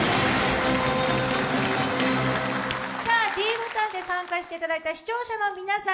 ｄボタンで参加していただいた視聴者の皆さん